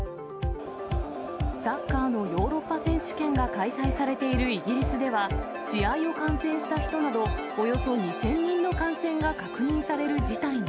サッカーのヨーロッパ選手権が開催されているイギリスでは、試合を観戦した人などおよそ２０００人の感染が確認される事態に。